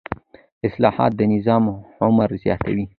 اصلاحات د نظام عمر زیاتوي